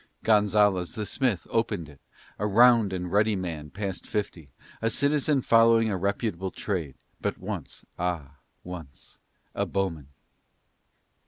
Gonzalez the smith opened it, a round and ruddy man past fifty, a citizen following a reputable trade, but once, ah once, a bowman.